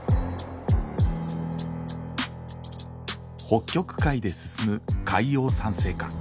北極海で進む海洋酸性化。